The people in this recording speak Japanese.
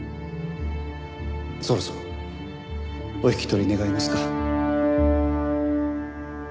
そろそろお引き取り願えますか？